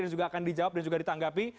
dan juga akan dijawab dan juga ditanggapi